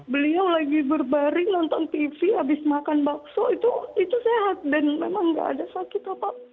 beliau lagi berbaring nonton tv habis makan bakso itu sehat dan memang nggak ada sakit apa